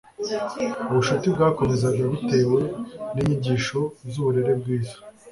ubucuti bwakomezaga bitewe n'inyigisho z'uburere bwiza